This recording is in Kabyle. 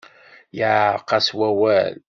Yeɛreq-as wawal.